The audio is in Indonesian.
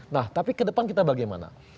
nah tapi ke depan kita bagaimana